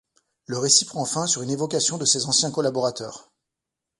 Le récit prend fin sur une évocation de ses anciens collaborateurs.